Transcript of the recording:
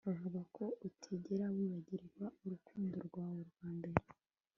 Bavuga ko utigera wibagirwa urukundo rwawe rwa mbere